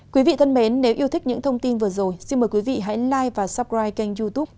quý vị thân mến nếu yêu thích những thông tin vừa rồi xin mời quý vị hãy live và suppri kênh youtube